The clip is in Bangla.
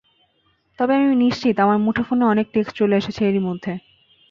তবে আমি নিশ্চিত, আমার মুঠোফোনে অনেক টেক্সট চলে এসেছে এরই মধ্যে।